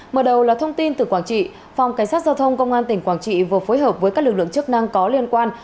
mở đầu là thông tin từ quảng trị phòng cảnh sát giao thông công an tỉnh quảng trị vừa phối hợp với các lực lượng chức năng có liên quan